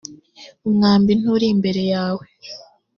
umwambi nturi imbere yawe ‽